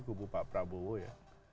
ke bupak prabowo ya